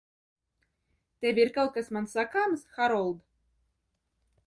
Tev ir kaut kas man sakāms, Harold?